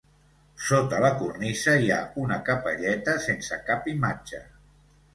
Sota la cornisa hi ha una capelleta sense cap imatge.